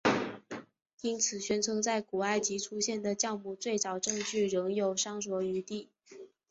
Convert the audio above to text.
因此宣称在古埃及出现的酵母最早证据仍有商酌余地。